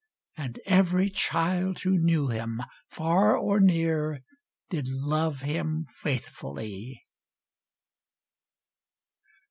And every child who knew him, far or near. Did love him faithfully.